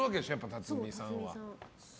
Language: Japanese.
辰巳さん。